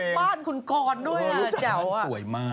จากบ้านคุณกรด้วยอ่ะเจ๋า